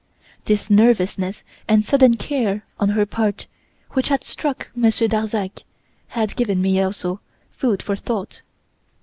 This nervousness and sudden care on her part, which had struck Monsieur Darzac, had given me, also, food for thought.